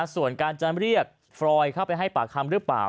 ส่วนการจะเรียกฟรอยเข้าไปให้ปากคำหรือเปล่า